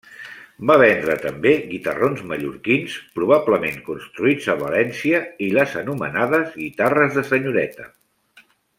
Va vendre també guitarrons mallorquins probablement construïts a València i les anomenades guitarres de senyoreta.